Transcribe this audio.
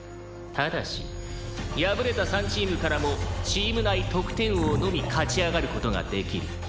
ただし敗れた３チームからもチーム内得点王のみ勝ち上がる事ができる。